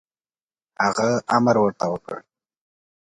هغه امر ورته وکړ.